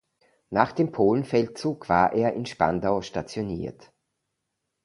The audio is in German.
Nach dem Polenfeldzug war er in Spandau stationiert.